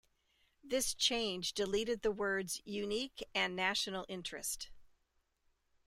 This change deleted the words "unique" and "national interest".